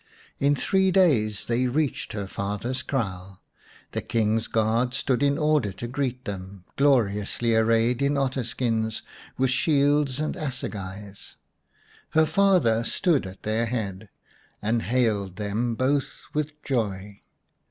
In three days they reached her father's kraal. The King's guard stood in order to greet them, gloriously arrayed in otter skins, with shields and assegais. Her father stood at their head, and hailed them both with joy.